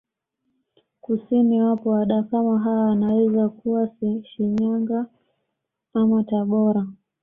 Kusini wapo Wadakama hawa wanaweza kuwa Shinyanga ama Tabora